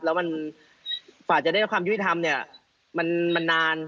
แล้วมันฝากจะได้ความยุติธรรมนี่มันนาน